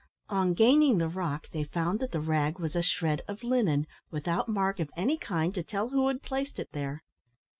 On gaining the rock, they found that the rag was a shred of linen, without mark of any kind to tell who had placed it there.